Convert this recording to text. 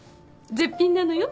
絶品なのよ。